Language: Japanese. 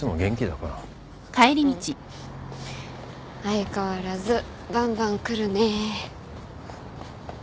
相変わらずバンバンくるね。